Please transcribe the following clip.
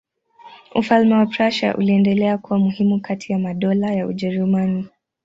Ufalme wa Prussia uliendelea kuwa muhimu kati ya madola ya Ujerumani.